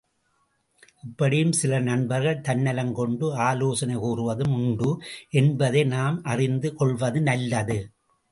இப்படியும் சில நண்பர்கள் தன்னலங்கொண்டு, ஆலோசனை கூறுவதும் உண்டு என்பதை நாம் அறிந்து கொள்வது நல்லது.